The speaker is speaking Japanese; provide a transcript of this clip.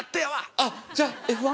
あっじゃあＦ１